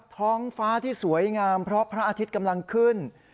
ท้องฟ้าที่สวยงามเพราะพระอาทิตย์กำลังขึ้น